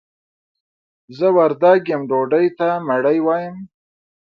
زه وردګ يم ډوډۍ ته مړۍ وايم.